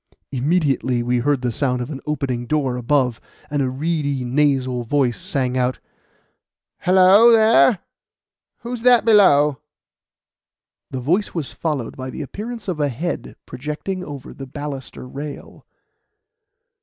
Immediately we heard the sound of an opening door above, and a reedy, nasal voice sang out: "Hello, there! Who's that below?" The voice was followed by the appearance of a head projecting over the baluster rail.